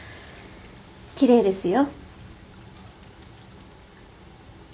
奇麗ですよ。